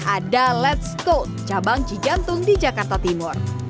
ada let s go cabang cijantung di jakarta timur